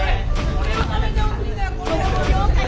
これを食べてほしいんだよ。